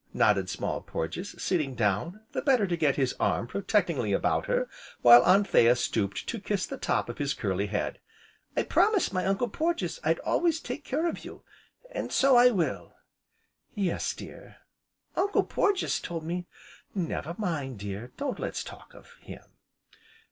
nodded Small Porges, sitting down, the better to get his arm protectingly about her, while Anthea stooped to kiss the top of his curly head. "I promised my Uncle Porges I'd always take care of you, an' so I will!" "Yes, dear." "Uncle Porges told me " "Never mind, dear, don' let's talk of him."